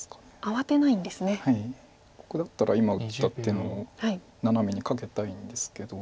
僕だったら今打った手のナナメにカケたいんですけど。